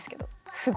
すごい。